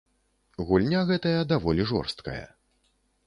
Гульня гэтая даволі жорсткая.